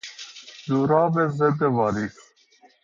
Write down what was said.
جوراب ضد واریس